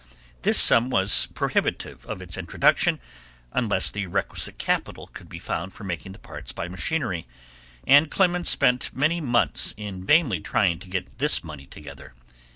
This sum was prohibitive of its introduction, unless the requisite capital could be found for making the parts by machinery, and Clemens spent many months in vainly trying to get this money together.